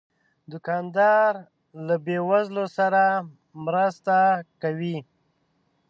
دوکاندار له بې وزلو سره مرسته کوي.